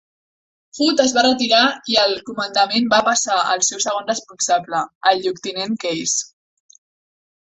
Hood es va retirar i el comandament va passar al seu segon responsable, el lloctinent Case.